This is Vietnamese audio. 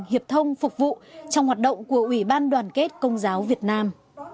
hiệp thông phục vụ trong hoạt động của ủy ban đoàn kết công giáo việt nam